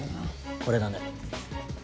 これだね。